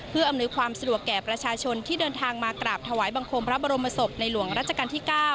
เพื่ออำนวยความสะดวกแก่ประชาชนที่เดินทางมากราบถวายบังคมพระบรมศพในหลวงรัชกาลที่๙